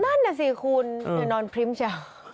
นั่นน่ะสิคุณเดี๋ยวนอนพริมเชียว